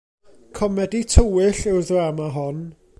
Comedi tywyll yw'r ddrama hon.